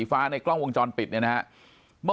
ปากกับภาคภูมิ